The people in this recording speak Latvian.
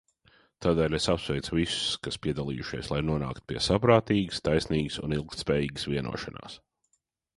Tādēļ es apsveicu visus, kas piedalījušies, lai nonāktu pie saprātīgas, taisnīgas un ilgtspējīgas vienošanās.